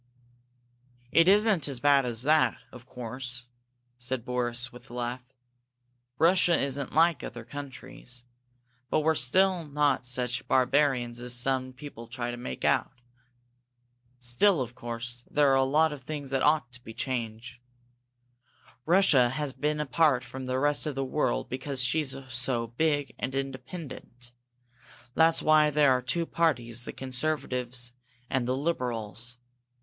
"It isn't as bad as that, of course," said Boris, with a laugh. "Russia isn't like other countries, but we're not such barbarians as some people try to make out. Still, of course, there are a lot of things that ought to be changed. Russia has been apart from the rest of the world because she's so big and independent. That's why there are two parties, the conservatives and the liberals.